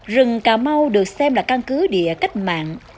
rừng cà mau được xem là căn cứ địa cách mạng